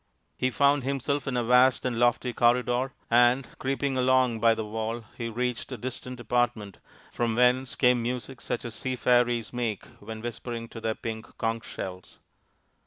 He found himself in a vast and lofty corridor, and, creeping along by the wall, he reached a distant apartment from whence came music such as sea fairies make when whispering to their pink conch shells.